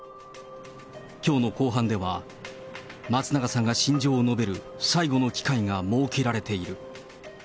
きょうの公判では、松永さんが心情を述べる最後の機会が設けられている。